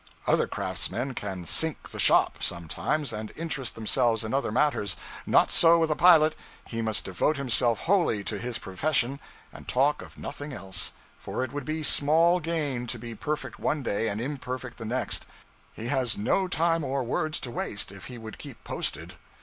Other craftsmen can 'sink the shop,' sometimes, and interest themselves in other matters. Not so with a pilot; he must devote himself wholly to his profession and talk of nothing else; for it would be small gain to be perfect one day and imperfect the next. He has no time or words to waste if he would keep 'posted.'